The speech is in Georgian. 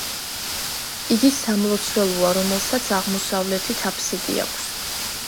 იგი სამლოცველოა, რომელსაც აღმოსავლეთით აფსიდი აქვს.